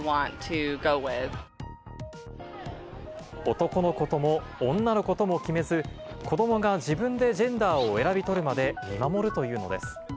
男の子とも女の子とも決めず、子どもが自分でジェンダーを選び取るまで、見守るというのです。